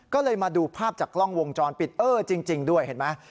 ก็เลยมาดูภาพจากกล้องวงจรปิดเออจริงด้วยเห็นไหม